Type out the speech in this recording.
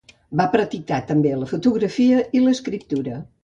Va practicar també la fotografia i l'escriptura.